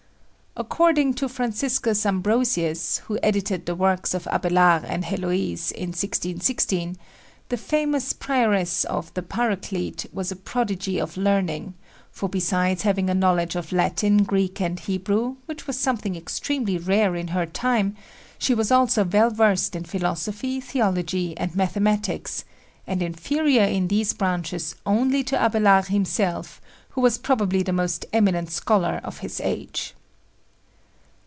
According to Franciscus Ambrosius, who edited the works of Abelard and Heloise in 1616, the famous prioress of The Paraclete was a prodigy of learning, for besides having a knowledge of Latin, Greek and Hebrew, which was something extremely rare in her time, she was also well versed in philosophy, theology and mathematics, and inferior in these branches only to Abelard himself, who was probably the most eminent scholar of his age.